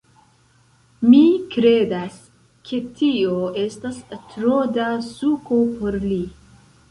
Mi kredas, ke tio estas tro da suko por li